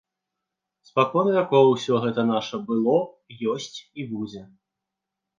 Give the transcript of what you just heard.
Спакон вякоў усё гэта наша было, ёсць і будзе.